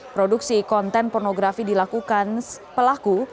produksi konten pornografi dilakukan pelaku